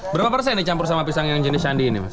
berapa persen dicampur sama pisang yang jenis shandy ini